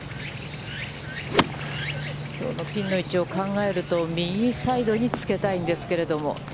きょうのピンの位置を考えると右サイドにつけたいんですけれども。